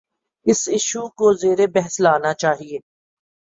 اس issue کو زیربحث لانا چاہیے۔